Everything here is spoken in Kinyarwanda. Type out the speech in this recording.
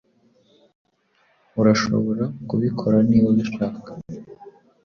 Urashobora kubikora niba ubishaka.